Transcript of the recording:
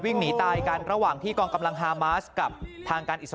เหมือนกับพ่ออัลบิต